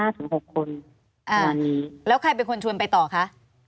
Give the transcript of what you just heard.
แล้วใครเป็นคนชวนไปต่อคะ